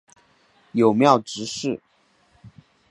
友庙执事。